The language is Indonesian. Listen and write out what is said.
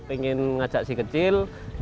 ingin ngajak si kecil